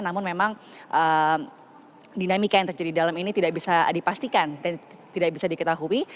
namun memang dinamika yang terjadi dalam ini tidak bisa dipastikan dan tidak bisa diketahui